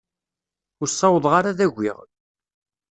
Ur ssawḍeɣ ara ad agiɣ.